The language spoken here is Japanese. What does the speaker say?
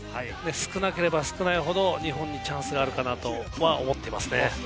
少なければ少ないほど日本にチャンスがあるかなとは思っていますね。